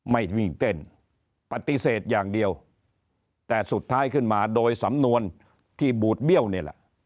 วิ่งเต้นปฏิเสธอย่างเดียวแต่สุดท้ายขึ้นมาโดยสำนวนที่บูดเบี้ยวนี่แหละ